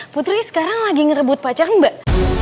putri sekarang lagi ngerebut pacar mbak